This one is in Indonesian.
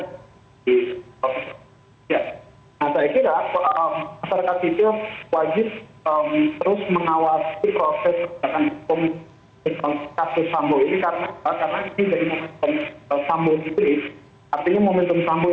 jadi itu harus disuntahkan